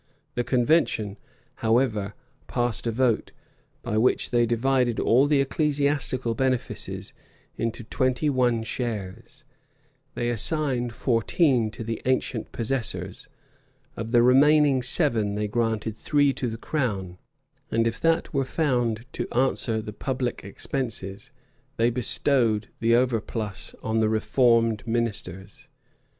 The convention, however, passed a vote,[*] by which they divided all the ecclesiastical benefices into twenty one shares: they assigned fourteen to the ancient possessors: of the remaining seven they granted three to the crown; and if that were found to answer the public expenses, they bestowed the overplus on the reformed ministers.